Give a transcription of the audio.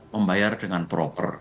membayar dengan proper